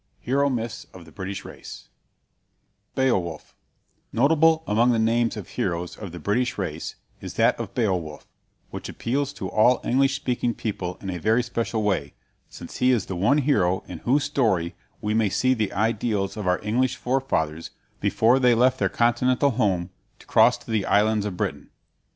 HERO MYTHS OF THE BRITISH RACE BEOWULF Notable among the names of heroes of the British race is that of Beowulf, which appeals to all English speaking people in a very special way, since he is the one hero in whose story we may see the ideals of our English forefathers before they left their Continental home to cross to the islands of Britain.